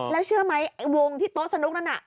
แล้วเชื่อไหมไอ้วงที่โต๊ะสนุกนั้นน่ะ